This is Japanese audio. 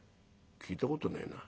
「聞いたことねえな。